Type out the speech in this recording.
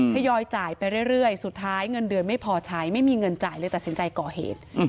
ให้ยอยจ่ายไปเรื่อยสุดท้ายเงินเดือนไม่พอใช้ไม่มีสินใจก่อเหตุ